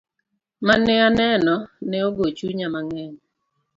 Mane aneno ne ogo chunya mang'eny.